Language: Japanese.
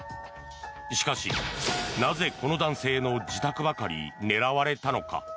しかし、なぜこの男性の自宅ばかり狙われたのか。